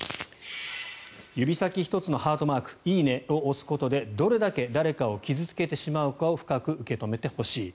指先一つのハートマーク「いいね」を押すことでどれだけ誰かを傷付けてしまうかを深く受け止めてほしい。